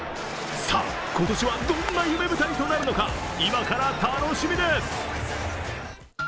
さあ今年は、どんな夢舞台となるのか、今から楽しみです。